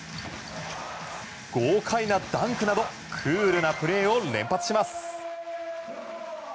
豪快なダンクなどクールなプレーを連発します。